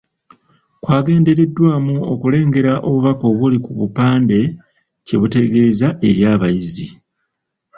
Kwagendererwamu okulengera obubaka obuli ku bupande kye butegeeza eri abayizi.